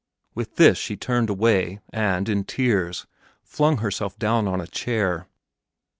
With this she turned away and, in tears, flung herself down on a chair.